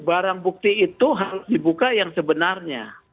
barang bukti itu harus dibuka yang sebenarnya